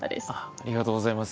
ありがとうございます。